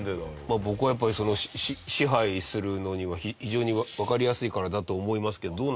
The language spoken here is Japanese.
僕はやっぱり支配するのには非常にわかりやすいからだと思いますけどどうなんですかね？